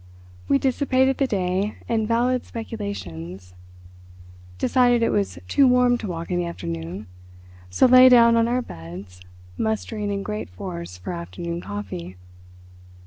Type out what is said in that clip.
We dissipated the day in valid speculations. Decided it was too warm to walk in the afternoon, so lay down on our beds, mustering in great force for afternoon coffee.